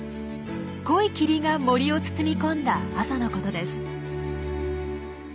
濃い霧が森を包み込んだ朝のことです。